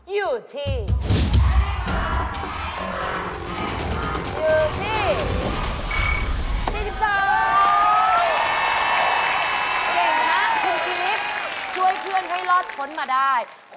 อยู่ที่